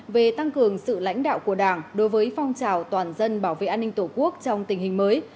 về tăng cường sự lãnh đạo của đảng đối với phong trào toàn dân bảo vệ an ninh tổ quốc trong tình hình mới